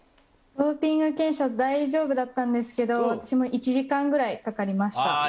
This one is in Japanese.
ドーピング検査、大丈夫だったんですけど、私も１時間ぐらいかかりました。